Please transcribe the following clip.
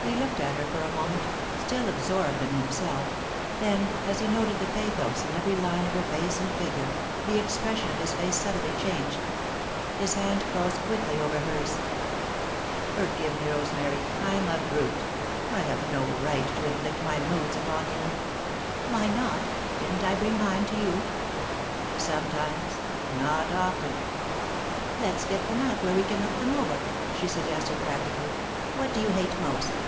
He looked at her for a moment, still absorbed in himself, then, as he noted the pathos in every line of her face and figure, the expression of his face subtly changed. His hand closed quickly over hers. [Sidenote: Their Moods] "Forgive me, Rosemary I'm a brute. I have no right to inflict my moods upon you." "Why not? Don't I bring mine to you?" "Sometimes not often." "Let's get them out where we can look them over," she suggested, practically. "What do you hate most?"